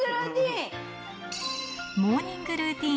モーニングルーティン。